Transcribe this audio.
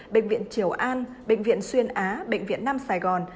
bệnh viện triều an bệnh viện xuyên á bệnh viện nam sài gòn